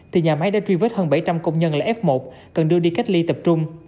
thì nhà máy đã truy vết hơn bảy trăm linh công nhân là f một cần đưa đi cách ly tập trung